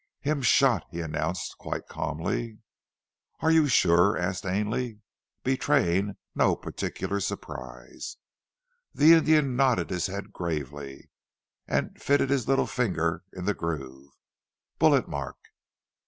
"Him shot!" he announced quite calmly. "Are you sure?" asked Ainley, betraying no particular surprise. The Indian nodded his head gravely, and fitted his little finger in the groove. "Bullet mark!"